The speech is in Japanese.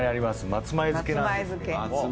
松前漬けなんですけども。